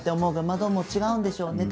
窓も違うんでしょうね